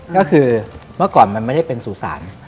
ก็คือเมื่อก่อนมันไม่ได้เป็นสู่ศาล